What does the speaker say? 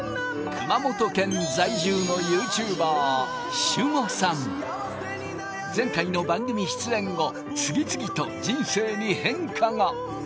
熊本県在住の前回の番組出演後次々と人生に変化が！